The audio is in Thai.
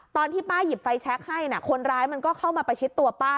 ตอนที่ป้าหยิบไฟแชคให้นะคนร้ายมันก็เข้ามาประชิดตัวป้า